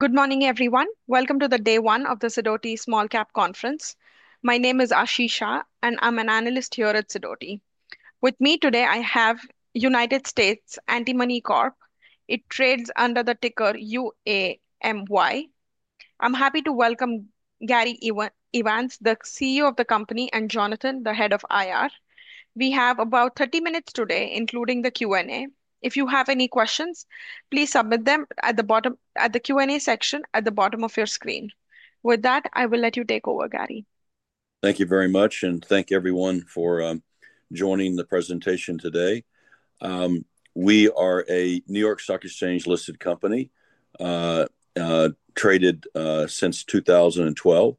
Good morning, everyone. Welcome to Day 1 of the Sidoti Small Cap Conference. My name is Ashisha, and I'm an analyst here at Sidoti. With me today, I have United States Antimony Corporation. It trades under the ticker UAMY. I'm happy to welcome Gary Evans, the CEO of the company, and Jonathan, the head of IR. We have about 30 minutes today, including the Q&A. If you have any questions, please submit them at the Q&A section at the bottom of your screen. With that, I will let you take over, Gary. Thank you very much, and thank everyone for joining the presentation today. We are a New York Stock Exchange-listed company, traded since 2012.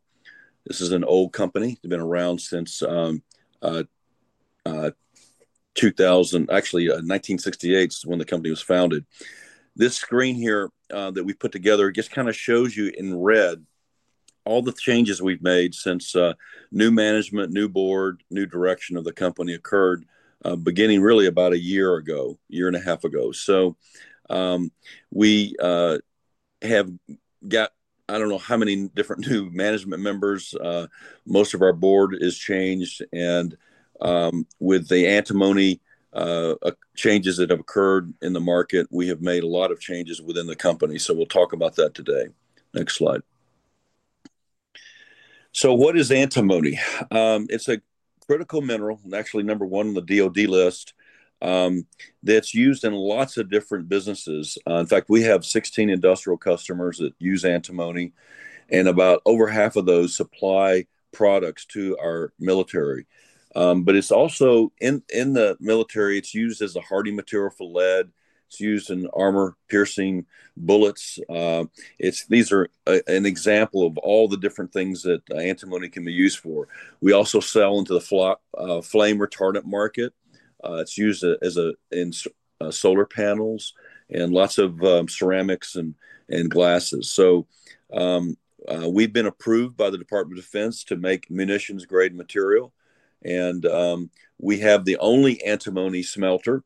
This is an old company. It's been around since 2000, actually 1968, when the company was founded. This screen here that we put together just kind of shows you in red all the changes we've made since new management, new board, new direction of the company occurred, beginning really about a year ago, a year and a half ago. We have got, I don't know how many different new management members. Most of our board is changed. With the antimony changes that have occurred in the market, we have made a lot of changes within the company. We'll talk about that today. Next slide. What is antimony? It's a critical mineral, actually number one on the DOD list, that's used in lots of different businesses. In fact, we have 16 industrial customers that use antimony, and about over half of those supply products to our military. It is also in the military. It's used as a hardy material for lead. It's used in armor-piercing bullets. These are an example of all the different things that antimony can be used for. We also sell into the flame retardant market. It's used in solar panels and lots of ceramics and glasses. We have been approved by the Department of Defense to make munitions-grade material. We have the only antimony smelter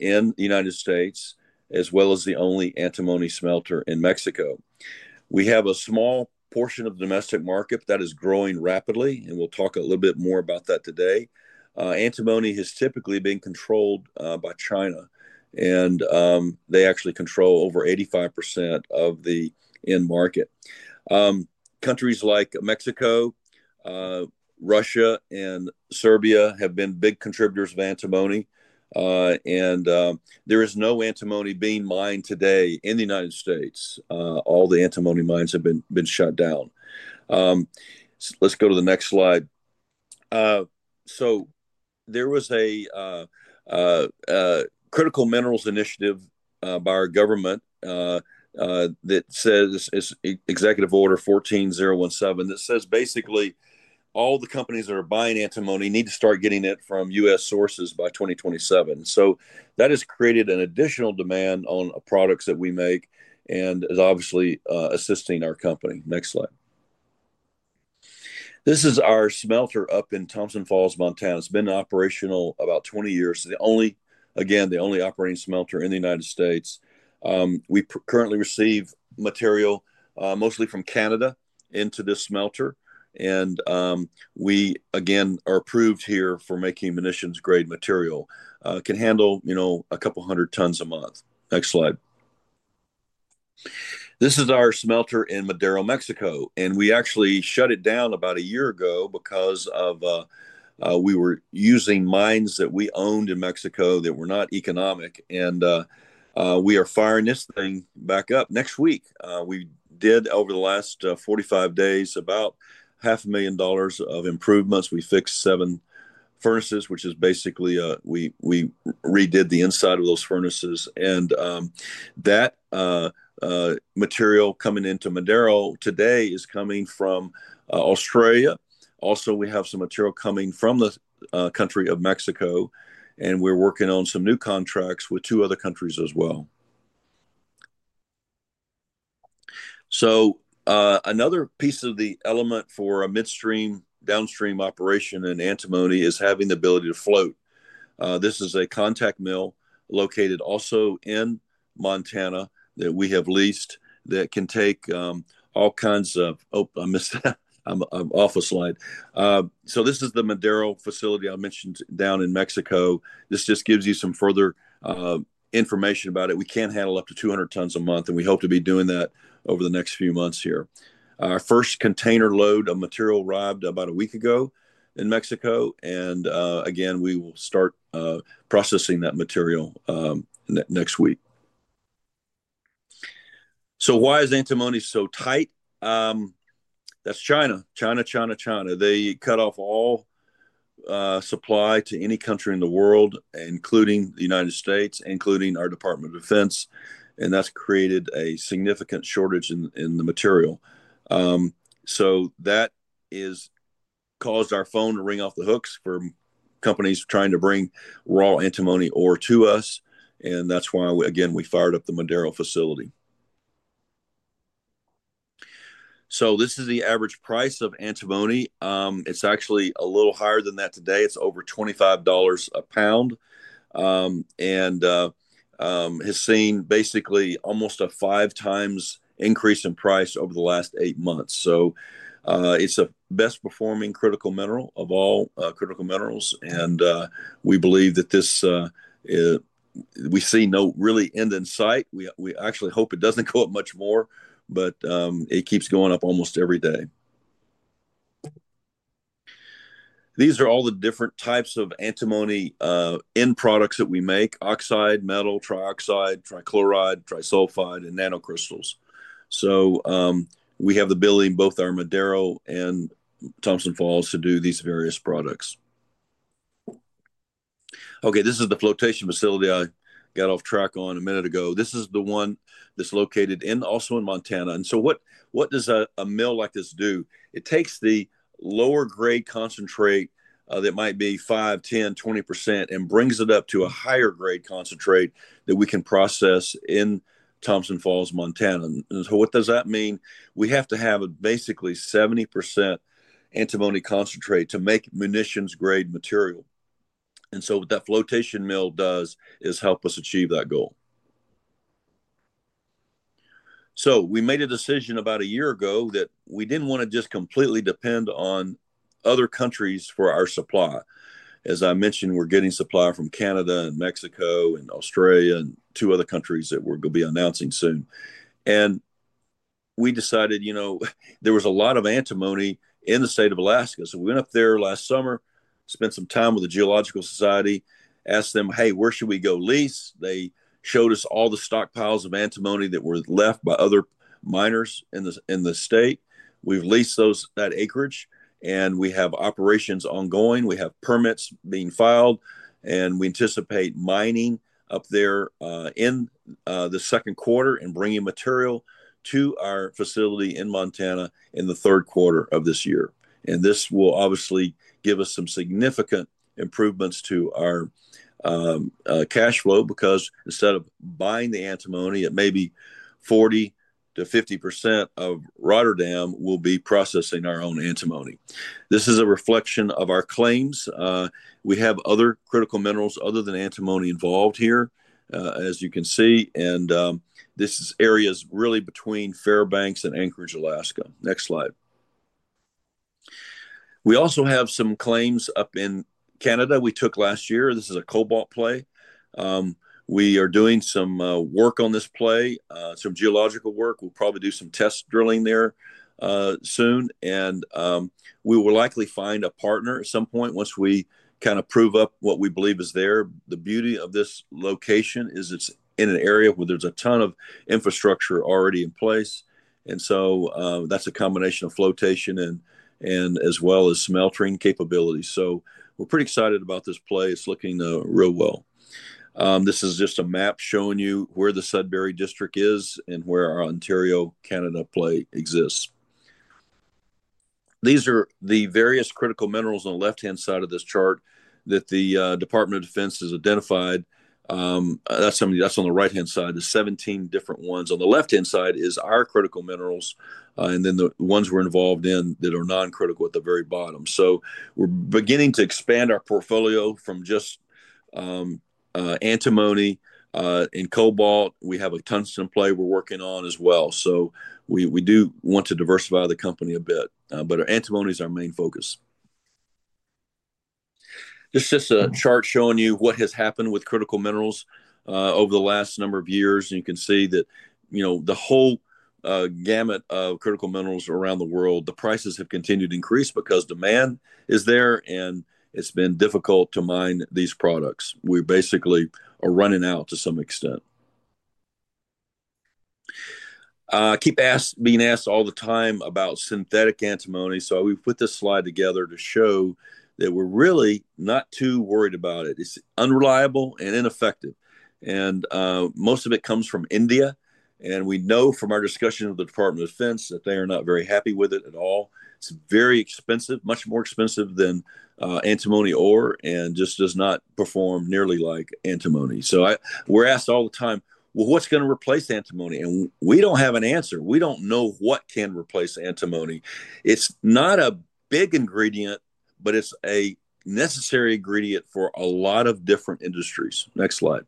in the United States, as well as the only antimony smelter in Mexico. We have a small portion of the domestic market that is growing rapidly, and we'll talk a little bit more about that today. Antimony has typically been controlled by China, and they actually control over 85% of the end market. Countries like Mexico, Russia, and Serbia have been big contributors of antimony. There is no antimony being mined today in the United States. All the antimony mines have been shut down. Let's go to the next slide. There was a critical minerals initiative by our government that says Executive Order 14017, that says basically all the companies that are buying antimony need to start getting it from U.S. sources by 2027. That has created an additional demand on products that we make and is obviously assisting our company. Next slide. This is our smelter up in Thompson Falls, Montana. It's been operational about 20 years. Again, the only operating smelter in the United States. We currently receive material mostly from Canada into this smelter. We, again, are approved here for making munitions-grade material. It can handle a couple hundred tons a month. Next slide. This is our smelter in Madero, Mexico. We actually shut it down about a year ago because we were using mines that we owned in Mexico that were not economic. We are firing this thing back up next week. We did, over the last 45 days, about $500,000 of improvements. We fixed seven furnaces, which is basically we redid the inside of those furnaces. That material coming into Madero today is coming from Australia. Also, we have some material coming from the country of Mexico. We are working on some new contracts with two other countries as well. Another piece of the element for a midstream, downstream operation in antimony is having the ability to float. This is a contact mill located also in Montana that we have leased that can take all kinds of—I missed that. I'm off a slide. This is the Madero facility I mentioned down in Mexico. This just gives you some further information about it. We can handle up to 200 tons a month, and we hope to be doing that over the next few months here. Our first container load of material arrived about a week ago in Mexico. Again, we will start processing that material next week. Why is antimony so tight? That's China, China, China, China. They cut off all supply to any country in the world, including the United States, including our Department of Defense. That's created a significant shortage in the material. That has caused our phone to ring off the hooks for companies trying to bring raw antimony ore to us. That is why, again, we fired up the Madero facility. This is the average price of antimony. It is actually a little higher than that today. It is over $25 a pound and has seen basically almost a five-times increase in price over the last eight months. It is the best-performing critical mineral of all critical minerals. We believe that this, we see no really end in sight. We actually hope it does not go up much more, but it keeps going up almost every day. These are all the different types of antimony end products that we make: oxide, metal, trioxide, trichloride, trisulfide, and nanocrystals. We have the ability, both our Madero and Thompson Falls, to do these various products. Okay, this is the flotation facility I got off track on a minute ago. This is the one that's located also in Montana. What does a mill like this do? It takes the lower-grade concentrate that might be 5%, 10%, 20% and brings it up to a higher-grade concentrate that we can process in Thompson Falls, Montana. What does that mean? We have to have basically 70% antimony concentrate to make munitions-grade material. What that flotation mill does is help us achieve that goal. We made a decision about a year ago that we didn't want to just completely depend on other countries for our supply. As I mentioned, we're getting supply from Canada and Mexico and Australia and two other countries that we're going to be announcing soon. We decided, you know, there was a lot of antimony in the state of Alaska. We went up there last summer, spent some time with the Geological Society, asked them, "Hey, where should we go lease?" They showed us all the stockpiles of antimony that were left by other miners in the state. We have leased that acreage, and we have operations ongoing. We have permits being filed, and we anticipate mining up there in the second quarter and bringing material to our facility in Montana in the third quarter of this year. This will obviously give us some significant improvements to our cash flow because instead of buying the antimony, it may be 40-50% of Rotterdam will be processing our own antimony. This is a reflection of our claims. We have other critical minerals other than antimony involved here, as you can see. This area is really between Fairbanks and Anchorage, Alaska. Next slide. We also have some claims up in Canada we took last year. This is a cobalt play. We are doing some work on this play, some geological work. We'll probably do some test drilling there soon. We will likely find a partner at some point once we kind of prove up what we believe is there. The beauty of this location is it's in an area where there's a ton of infrastructure already in place. That is a combination of flotation and smelting capabilities. We're pretty excited about this play. It's looking real well. This is just a map showing you where the Sudbury District is and where our Ontario, Canada play exists. These are the various critical minerals on the left-hand side of this chart that the Department of Defense has identified. That is on the right-hand side, the 17 different ones. On the left-hand side is our critical minerals, and then the ones we are involved in that are non-critical at the very bottom. We are beginning to expand our portfolio from just antimony and cobalt. We have a tungsten play we are working on as well. We do want to diversify the company a bit, but antimony is our main focus. This is just a chart showing you what has happened with critical minerals over the last number of years. You can see that the whole gamut of critical minerals around the world, the prices have continued to increase because demand is there, and it has been difficult to mine these products. We basically are running out to some extent. I keep being asked all the time about synthetic antimony. We have put this slide together to show that we are really not too worried about it. It is unreliable and ineffective. Most of it comes from India. We know from our discussion with the Department of Defense that they are not very happy with it at all. It is very expensive, much more expensive than antimony ore, and just does not perform nearly like antimony. We are asked all the time, "Well, what is going to replace antimony?" We do not have an answer. We do not know what can replace antimony. It is not a big ingredient, but it is a necessary ingredient for a lot of different industries. Next slide.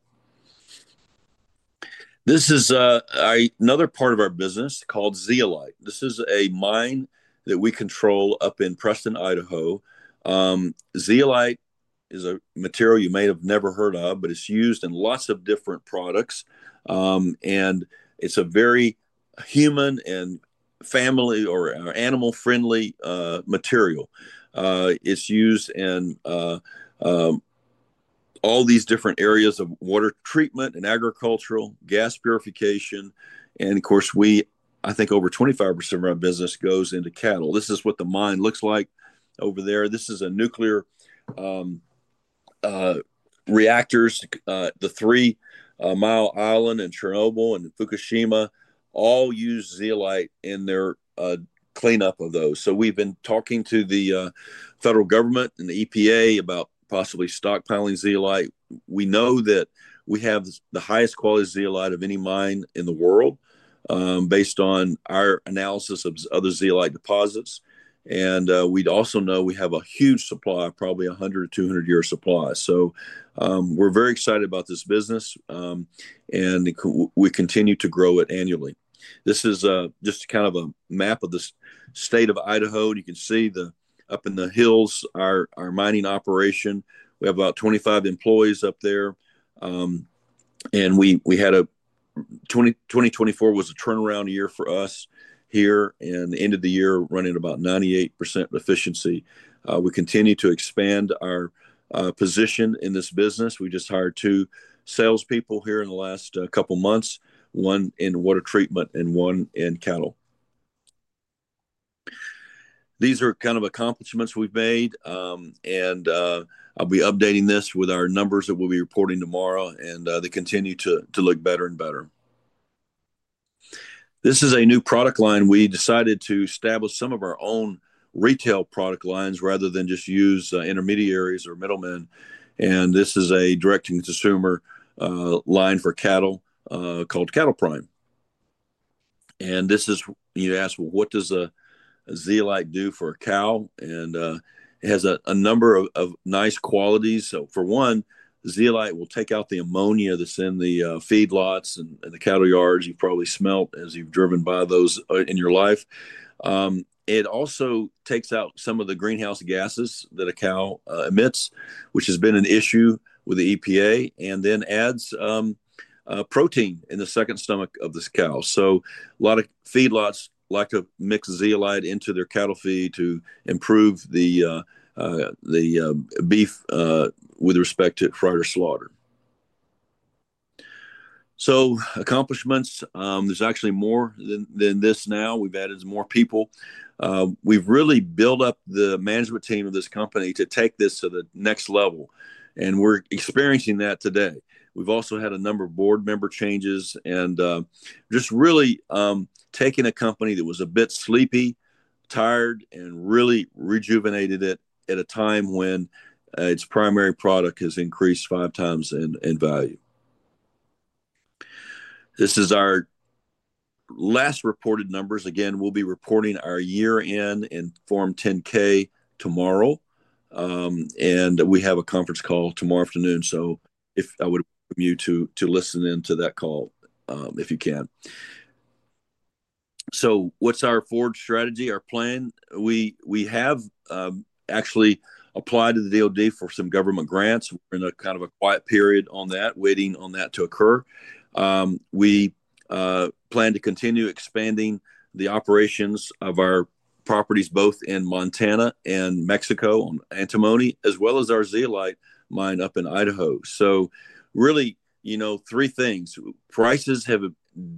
This is another part of our business called zeolite. This is a mine that we control up in Preston, Idaho. Zeolite is a material you may have never heard of, but it's used in lots of different products. It's a very human and family or animal-friendly material. It's used in all these different areas of water treatment and agricultural, gas purification. I think over 25% of our business goes into cattle. This is what the mine looks like over there. This is a nuclear reactor. The Three Mile Island and Chernobyl and Fukushima all use zeolite in their cleanup of those. We have been talking to the federal government and the EPA about possibly stockpiling zeolite. We know that we have the highest quality zeolite of any mine in the world based on our analysis of other zeolite deposits. We also know we have a huge supply, probably 100-200 year supply. We are very excited about this business, and we continue to grow it annually. This is just kind of a map of the state of Idaho. You can see up in the hills our mining operation. We have about 25 employees up there. 2024 was a turnaround year for us here. At the end of the year, running at about 98% efficiency. We continue to expand our position in this business. We just hired two salespeople here in the last couple of months, one in water treatment and one in cattle. These are kind of accomplishments we have made. I will be updating this with our numbers that we will be reporting tomorrow. They continue to look better and better. This is a new product line. We decided to establish some of our own retail product lines rather than just use intermediaries or middlemen. This is a direct-to-consumer line for cattle called CattlePrime. You ask, "What does zeolite do for a cow?" It has a number of nice qualities. For one, zeolite will take out the ammonia that is in the feedlots and the cattle yards. You have probably smelt as you have driven by those in your life. It also takes out some of the greenhouse gases that a cow emits, which has been an issue with the EPA, and then adds protein in the second stomach of this cow. A lot of feedlots like to mix zeolite into their cattle feed to improve the beef with respect to prior to slaughter. Accomplishments, there is actually more than this now. We have added more people. We have really built up the management team of this company to take this to the next level. We are experiencing that today. We've also had a number of board member changes and just really taken a company that was a bit sleepy, tired, and really rejuvenated it at a time when its primary product has increased five times in value. This is our last reported numbers. Again, we'll be reporting our year-end in Form 10-K tomorrow. We have a conference call tomorrow afternoon. I would like you to listen in to that call if you can. What's our forward strategy, our plan? We have actually applied to the DOD for some government grants. We're in kind of a quiet period on that, waiting on that to occur. We plan to continue expanding the operations of our properties both in Montana and Mexico on antimony as well as our zeolite mine up in Idaho. Really, you know, three things. Prices have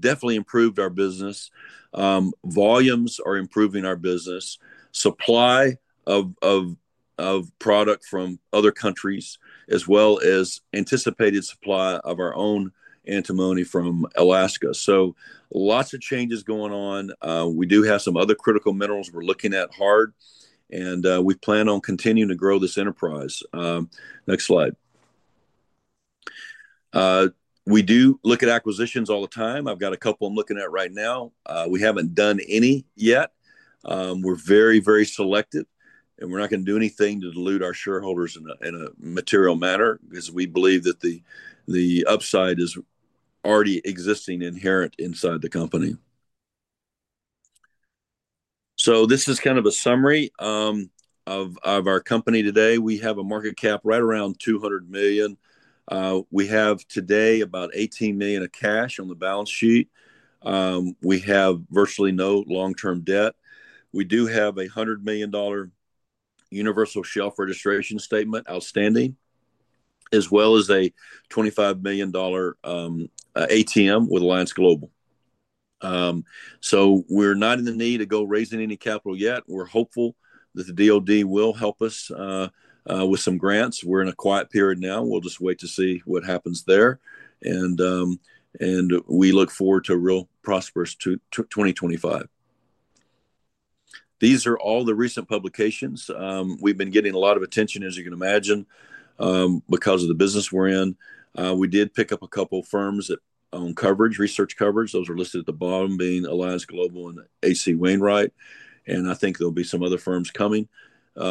definitely improved our business. Volumes are improving our business. Supply of product from other countries as well as anticipated supply of our own antimony from Alaska. Lots of changes going on. We do have some other critical minerals we're looking at hard. We plan on continuing to grow this enterprise. Next slide. We do look at acquisitions all the time. I've got a couple I'm looking at right now. We haven't done any yet. We're very, very selective. We're not going to do anything to dilute our shareholders in a material manner because we believe that the upside is already existing, inherent inside the company. This is kind of a summary of our company today. We have a market cap right around $200 million. We have today about $18 million of cash on the balance sheet. We have virtually no long-term debt. We do have a $100 million universal shelf registration statement outstanding, as well as a $25 million ATM with Alliance Global. We are not in the need to go raising any capital yet. We are hopeful that the DOD will help us with some grants. We are in a quiet period now. We will just wait to see what happens there. We look forward to a real prosperous 2025. These are all the recent publications. We have been getting a lot of attention, as you can imagine, because of the business we are in. We did pick up a couple of firms that own coverage, research coverage. Those are listed at the bottom, being Alliance Global and H.C. Wainwright. I think there will be some other firms coming. We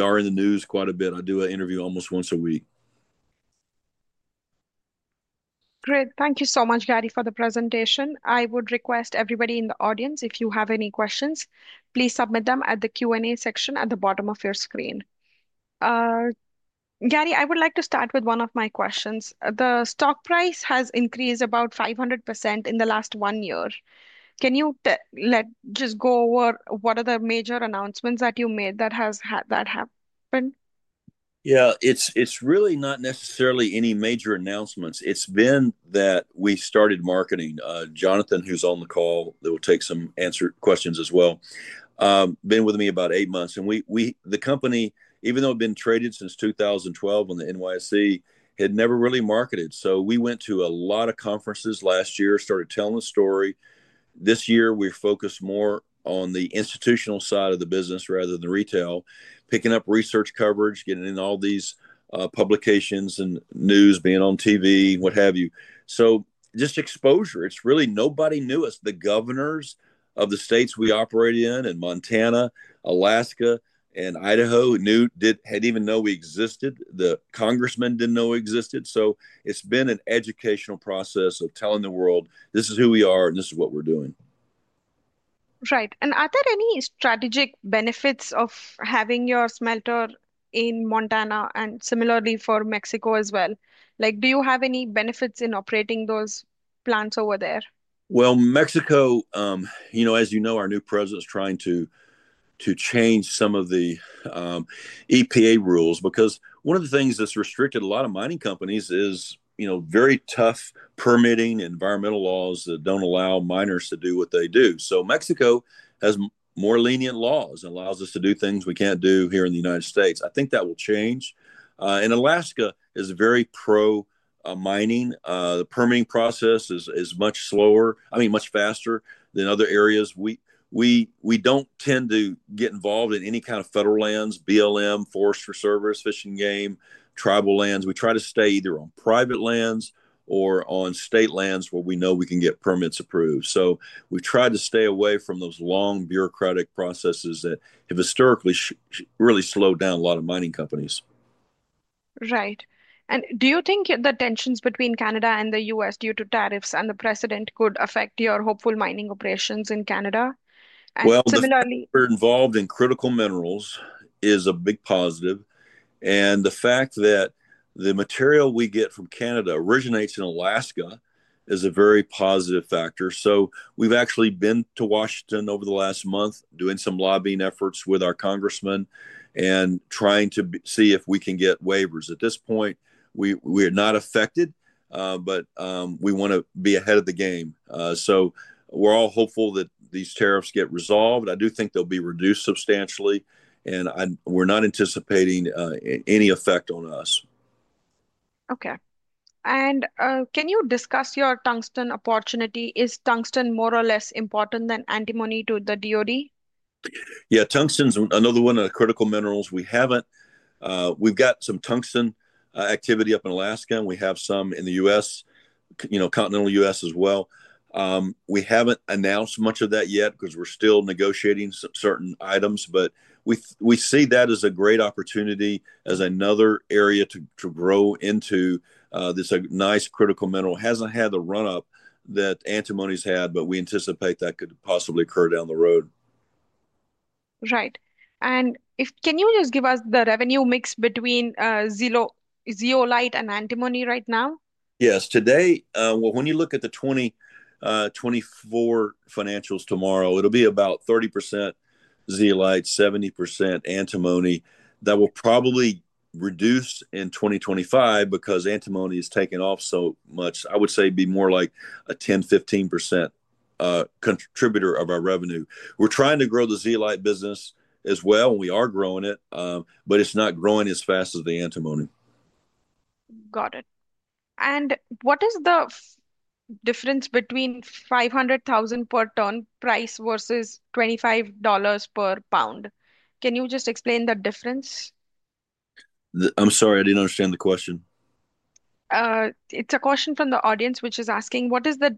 are in the news quite a bit. I do an interview almost once a week. Great. Thank you so much, Gary, for the presentation. I would request everybody in the audience, if you have any questions, please submit them at the Q&A section at the bottom of your screen. Gary, I would like to start with one of my questions. The stock price has increased about 500% in the last one year. Can you just go over what are the major announcements that you made that have happened? Yeah, it's really not necessarily any major announcements. It's been that we started marketing. Jonathan, who's on the call, that will take some answered questions as well, has been with me about eight months. And the company, even though it had been traded since 2012 on the NYSE, had never really marketed. We went to a lot of conferences last year, started telling the story. This year, we're focused more on the institutional side of the business rather than retail, picking up research coverage, getting in all these publications and news, being on TV, what have you. Just exposure. It's really nobody knew us. The governors of the states we operate in, in Montana, Alaska, and Idaho, didn't even know we existed. The congressmen didn't know we existed. It has been an educational process of telling the world, "This is who we are, and this is what we're doing. Right. Are there any strategic benefits of having your smelter in Montana and similarly for Mexico as well? Do you have any benefits in operating those plants over there? Mexico, as you know, our new president is trying to change some of the EPA rules because one of the things that's restricted a lot of mining companies is very tough permitting environmental laws that don't allow miners to do what they do. Mexico has more lenient laws and allows us to do things we can't do here in the United States. I think that will change. Alaska is very pro-mining. The permitting process is much faster than other areas. We don't tend to get involved in any kind of federal lands, BLM, Forestry Service, Fish and Game, tribal lands. We try to stay either on private lands or on state lands where we know we can get permits approved. We have tried to stay away from those long bureaucratic processes that have historically really slowed down a lot of mining companies. Right. Do you think the tensions between Canada and the U.S. due to tariffs and the president could affect your hopeful mining operations in Canada? We're involved in critical minerals is a big positive. The fact that the material we get from Canada originates in Alaska is a very positive factor. We've actually been to Washington over the last month doing some lobbying efforts with our congressmen and trying to see if we can get waivers. At this point, we are not affected, but we want to be ahead of the game. We're all hopeful that these tariffs get resolved. I do think they'll be reduced substantially. We're not anticipating any effect on us. Okay. Can you discuss your tungsten opportunity? Is tungsten more or less important than antimony to the DOD? Yeah, tungsten's another one of the critical minerals we haven't. We've got some tungsten activity up in Alaska. We have some in the U.S., continental U.S. as well. We haven't announced much of that yet because we're still negotiating certain items. We see that as a great opportunity as another area to grow into. This is a nice critical mineral. It hasn't had the run-up that antimony's had, but we anticipate that could possibly occur down the road. Right. Can you just give us the revenue mix between zeolite and antimony right now? Yes. Today, when you look at the 2024 financials tomorrow, it'll be about 30% zeolite, 70% antimony. That will probably reduce in 2025 because antimony is taking off so much. I would say it'd be more like a 10-15% contributor of our revenue. We're trying to grow the zeolite business as well. We are growing it, but it's not growing as fast as the antimony. Got it. What is the difference between $500,000 per ton price versus $25 per pound? Can you just explain the difference? I'm sorry. I didn't understand the question. It's a question from the audience, which is asking, what is the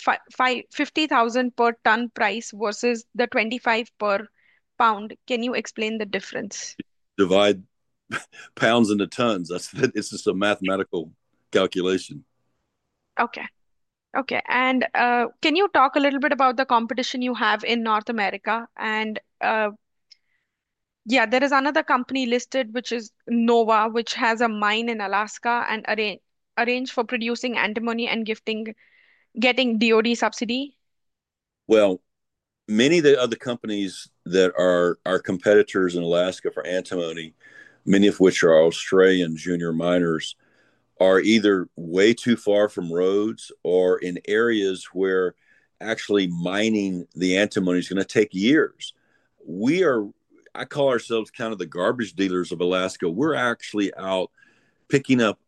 $50,000 per ton price versus the $25 per pound? Can you explain the difference? Divide pounds into tons. It's just a mathematical calculation. Okay. Okay. Can you talk a little bit about the competition you have in North America? Yeah, there is another company listed, which is Nova, which has a mine in Alaska and arranged for producing antimony and getting DOD subsidy. Many of the other companies that are our competitors in Alaska for antimony, many of which are Australian junior miners, are either way too far from roads or in areas where actually mining the antimony is going to take years. I call ourselves kind of the garbage dealers of Alaska. We're actually out picking up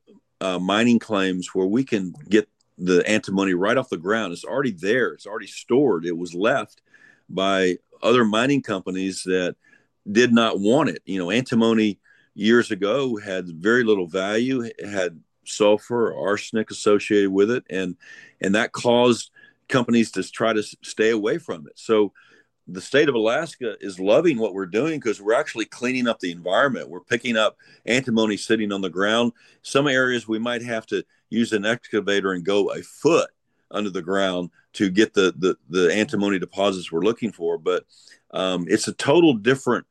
mining claims where we can get the antimony right off the ground. It's already there. It's already stored. It was left by other mining companies that did not want it. Antimony years ago had very little value, had sulfur, arsenic associated with it. That caused companies to try to stay away from it. The state of Alaska is loving what we're doing because we're actually cleaning up the environment. We're picking up antimony sitting on the ground. Some areas we might have to use an excavator and go a foot under the ground to get the antimony deposits we're looking for. It is a total different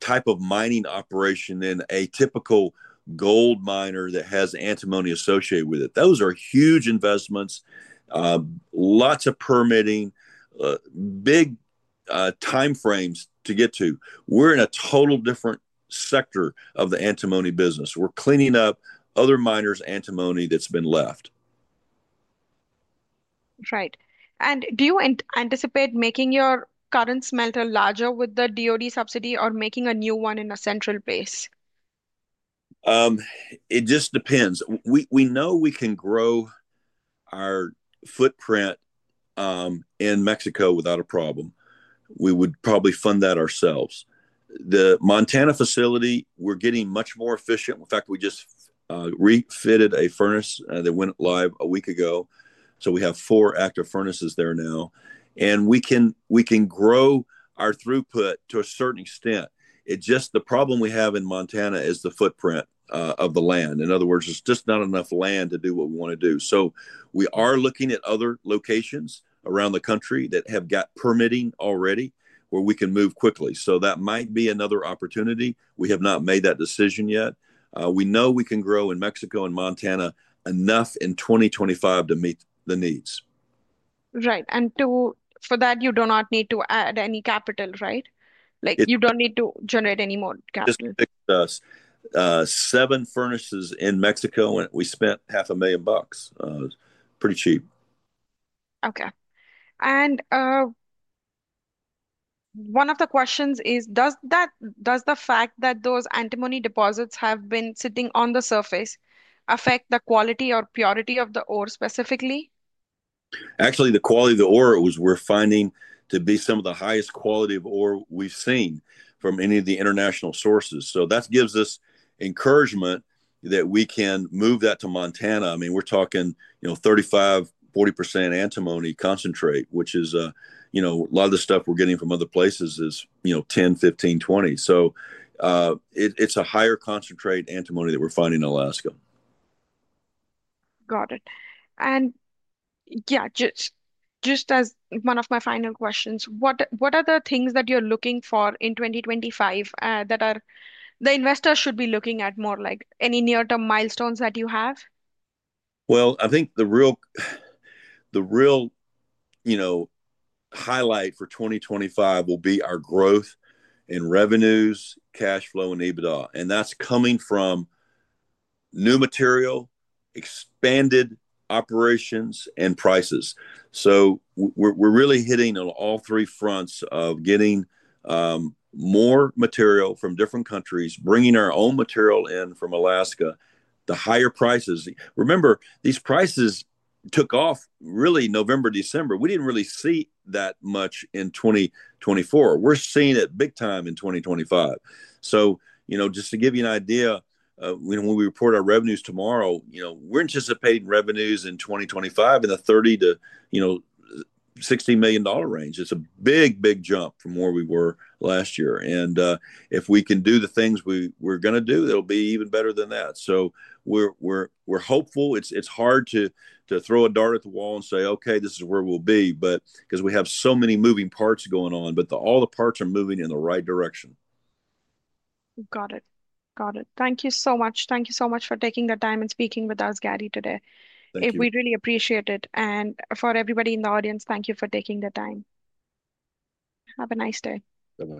type of mining operation than a typical gold miner that has antimony associated with it. Those are huge investments, lots of permitting, big time frames to get to. We are in a total different sector of the antimony business. We are cleaning up other miners' antimony that's been left. Right. Do you anticipate making your current smelter larger with the DOD subsidy or making a new one in a central base? It just depends. We know we can grow our footprint in Mexico without a problem. We would probably fund that ourselves. The Montana facility, we're getting much more efficient. In fact, we just refitted a furnace that went live a week ago. We have four active furnaces there now. We can grow our throughput to a certain extent. The problem we have in Montana is the footprint of the land. In other words, there's just not enough land to do what we want to do. We are looking at other locations around the country that have got permitting already where we can move quickly. That might be another opportunity. We have not made that decision yet. We know we can grow in Mexico and Montana enough in 2025 to meet the needs. Right. For that, you do not need to add any capital, right? You do not need to generate any more capital. Just fixed us seven furnaces in Mexico, and we spent $500,000. Pretty cheap. Okay. One of the questions is, does the fact that those antimony deposits have been sitting on the surface affect the quality or purity of the ore specifically? Actually, the quality of the ore we're finding to be some of the highest quality of ore we've seen from any of the international sources. That gives us encouragement that we can move that to Montana. I mean, we're talking 35%-40% antimony concentrate, which is a lot of the stuff we're getting from other places is 10%, 15%, 20%. It is a higher concentrate antimony that we're finding in Alaska. Got it. Yeah, just as one of my final questions, what are the things that you're looking for in 2025 that the investor should be looking at, more like any near-term milestones that you have? I think the real highlight for 2025 will be our growth in revenues, cash flow, and EBITDA. That's coming from new material, expanded operations, and prices. We're really hitting on all three fronts of getting more material from different countries, bringing our own material in from Alaska, the higher prices. Remember, these prices took off really November, December. We didn't really see that much in 2024. We're seeing it big time in 2025. Just to give you an idea, when we report our revenues tomorrow, we're anticipating revenues in 2025 in the $30 million-$60 million range. It's a big, big jump from where we were last year. If we can do the things we're going to do, it'll be even better than that. We're hopeful. It's hard to throw a dart at the wall and say, "Okay, this is where we'll be," because we have so many moving parts going on, but all the parts are moving in the right direction. Got it. Thank you so much. Thank you so much for taking the time and speaking with us, Gary, today. Thank you. We really appreciate it. For everybody in the audience, thank you for taking the time. Have a nice day. Have a good day.